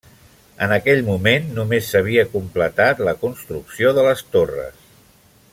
En aquell moment només s'havia completat la construcció de les torres.